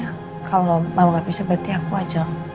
kalau mama nggak bisa berarti aku ajak